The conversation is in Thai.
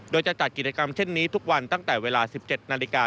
โดยจะจัดกิจกรรมเช่นนี้ทุกวันตั้งแต่เวลา๑๗นาฬิกา